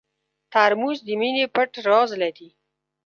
ترموز د مینې پټ راز لري.